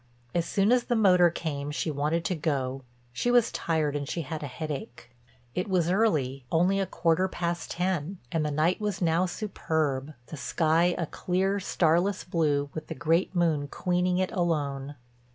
As soon as the motor came she wanted to go—she was tired, she had a headache. It was early, only a quarter past ten, and the night was now superb, the sky a clear, starless blue with the great moon queening it alone.